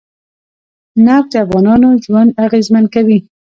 نفت د افغانانو ژوند اغېزمن کوي.